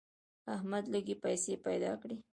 احمد لږې پیسې پیدا کړې.